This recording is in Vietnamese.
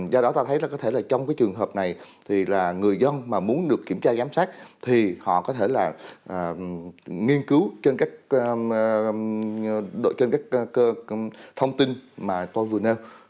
do đó ta thấy có thể là trong cái trường hợp này thì là người dân mà muốn được kiểm tra giám sát thì họ có thể là nghiên cứu trên các thông tin mà tôi vừa nêu